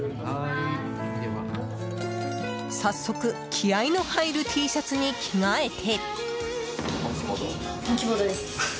早速、気合の入るＴシャツに着替えて。